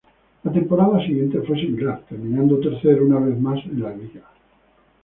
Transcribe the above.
La temporada siguiente fue similar, terminando tercero una vez más en la liga.